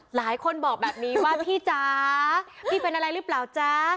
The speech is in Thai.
หลายคนบอกแบบนี้ว่าพี่จ๋าพี่เป็นอะไรหรือเปล่าจ๊ะ